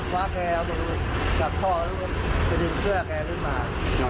ฟ้าแกกินกลับท่อจะดึงเสื้อแกขึ้นมา